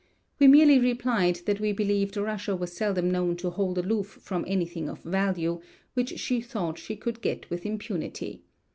We merely replied that we believed Russia was seldom known to hold aloof from anything of value, which she thought she could get with impunity.